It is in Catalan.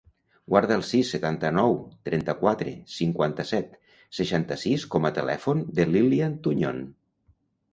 Guarda el sis, setanta-nou, trenta-quatre, cinquanta-set, seixanta-sis com a telèfon de l'Ilyan Tuñon.